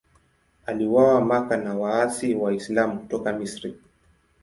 Aliuawa Makka na waasi Waislamu kutoka Misri.